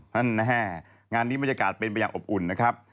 นั่นแห้งงานนี้มันจะการเป็นไปอย่างอบอุ่นนะครับ